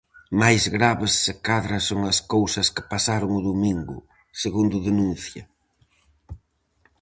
Máis graves se cadra son as cousas que pasaron o domingo, segundo denuncia.